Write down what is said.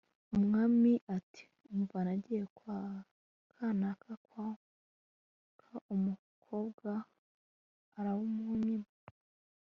umwami ati 'umva nagiye kwa kanaka kwaka umukobwa, aramunyima